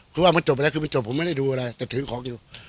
ดูว่ามันจบแล้วดูแล้วไม่ได้รู้อะไรแต่ถือของอยู่